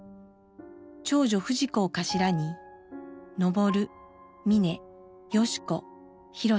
長女藤子を頭に昇ミネ良子博。